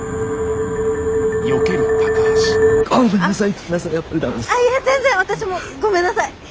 あっごめんなさい。